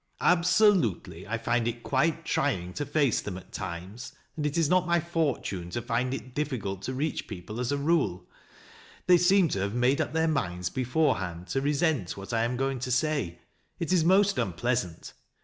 Absolutely, I find it quite trying to face them at times, and it is not my fortune to find it difficult to reach people, as a rule. They seem to have made up their minds beforehand to resent what I am going to say. It is most unpleasant.